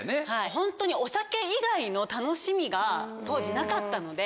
ホントにお酒以外の楽しみが当時なかったので。